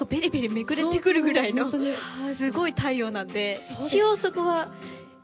めくれてくるぐらいのすごい太陽なんで一応そこはケアとして。